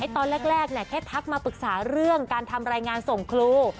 ตอนแรกแค่ทักมาปรึกษาเรื่องการทำรายงานส่งครู